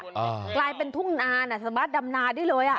อ่ากลายเป็นทุ่งนานอ่ะสามารถดำนาได้เลยอ่ะ